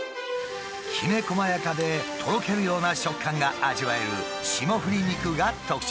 きめこまやかでとろけるような食感が味わえる霜降り肉が特徴だ。